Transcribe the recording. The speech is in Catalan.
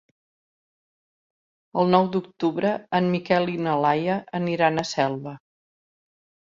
El nou d'octubre en Miquel i na Laia aniran a Selva.